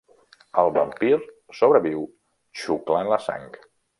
El vampir sobreviu xuclant la sang.